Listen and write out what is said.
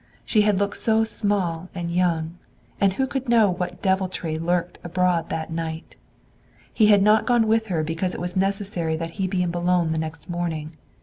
She had looked so small and young; and who could know what deviltry lurked abroad that night? He had not gone with her because it was necessary that he be in Boulogne the next morning.